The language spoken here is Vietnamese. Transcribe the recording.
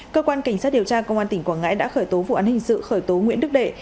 cơ quan cảnh sát điều tra công an tỉnh quảng ngãi đã khởi tố vụ án hình sự khởi tố nguyễn đức đề